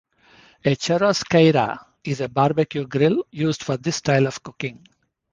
A "churrasqueira" is a barbecue grill used for this style of cooking.